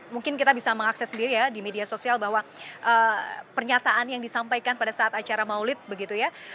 mungkin kita bisa mengakses sendiri ya di media sosial bahwa pernyataan yang disampaikan pada saat acara maulid begitu ya